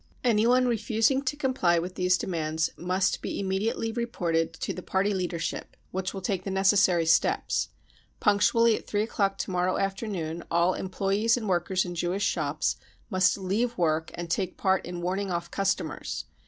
Any r one refusing to comply with these demands must be THE PERSECUTION OF JEWS 275 immediately reported to the party leadership, which will take the necessary steps. Punctually at three o'clock to morrow afternoon all employees and workers in Jewish shops must leave work and take part in warning off customers.